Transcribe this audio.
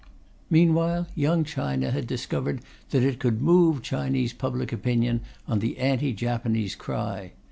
Meanwhile, Young China had discovered that it could move Chinese public opinion on the anti Japanese cry.